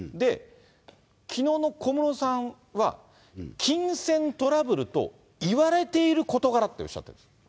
きのうの小室さんは、金銭トラブルと言われている事柄っておっしゃってます。